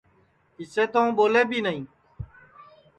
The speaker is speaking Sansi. اِسے تو ہوں ٻولے بی نائی